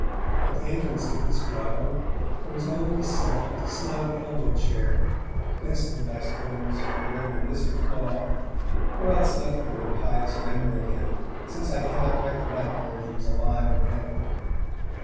At the entrance to this grotto there was always set a 'snug elbow chair', destined, I suppose, for the Rev. Mr. Flaw, or else left there in pious memory of him, since I cannot recollect whether he was alive or dead.